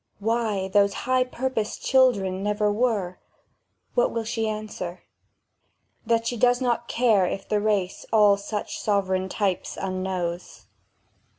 Why those high purposed children never were: What will she answer? That she does not care If the race all such sovereign types unknows.